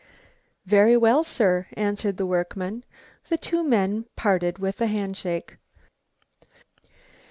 "Very well, sir," answered the workman. The two men parted with a hand shake.